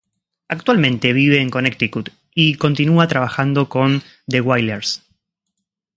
Actualmente vive en Connecticut y continua trabajando con The Wailers.